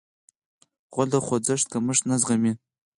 غول د خوځښت کمښت نه زغمي.